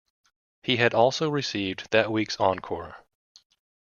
He had also received that week's encore.